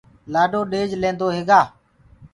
لآڏو ڏيج لينٚدوئي هيگآ